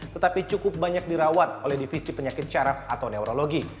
tetapi cukup banyak dirawat oleh divisi penyakit caraf atau neurologi